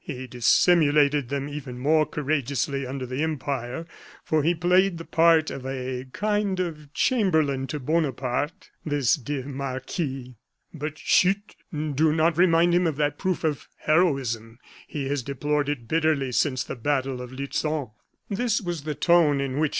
He dissimulated them even more courageously under the Empire for he played the part of a kind of chamberlain to Bonaparte, this dear marquis. But, chut! do not remind him of that proof of heroism; he has deplored it bitterly since the battle of Lutzen." This was the tone in which M.